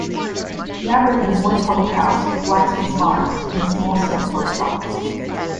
Naburn has one public house, the "Blacksmiths Arms" and a small sub post office.